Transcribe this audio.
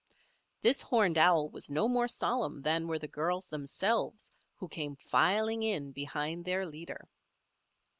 This horned owl was no more solemn than were the girls themselves who came filing in behind their leader.